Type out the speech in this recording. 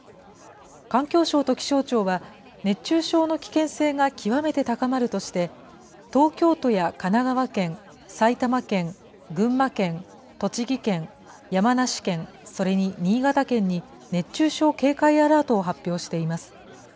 環境省と気象庁は、熱中症の危険性が極めて高まるとして、東京都や神奈川県、埼玉県、群馬県、栃木県、山梨県、それに新潟県に、熱中症警戒アラートを発表しています。